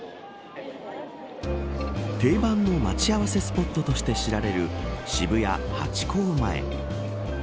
定番の待ち合わせスポットとして知られる渋谷ハチ公前。